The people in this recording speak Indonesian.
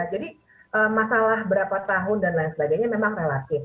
jadi masalah berapa tahun dan lain sebagainya memang relatif